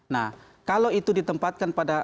nah kalau itu ditempatkan pada